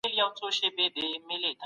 د زده کړې په ټوله موده کې نظم ساتل کېږي.